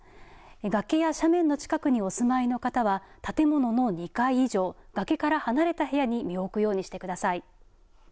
崖や斜面の近くにお住まいの方は建物の２階以上、崖から離れた部屋に身を置くようにしてください。